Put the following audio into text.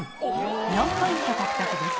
４ポイント獲得です。